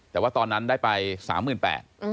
แต่ว่าตอนนั้นได้ไป๓๘๐๐บาท